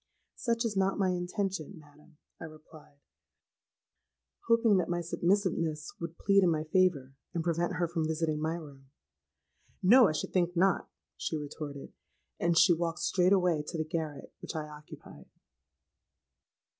'—'Such is not my intention, madam,' I replied, hoping that my submissiveness would plead in my favour, and prevent her from visiting my room.—'No; I should think not,' she retorted; and she walked straight away to the garret which I occupied.